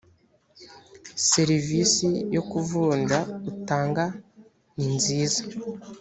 serivisi yo kuvunja utanga ni nziza